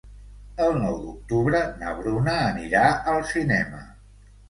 El nou d'octubre na Bruna anirà al cinema.